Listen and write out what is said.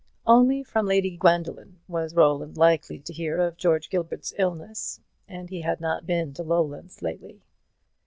Only from Lady Gwendoline was Roland likely to hear of George Gilbert's illness; and he had not been to Lowlands lately.